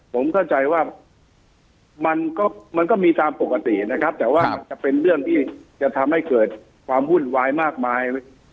ผมเข้าใจว่ามันก็มันก็มีตามปกตินะครับแต่ว่ามันจะเป็นเรื่องที่จะทำให้เกิดความวุ่นวายมากมาย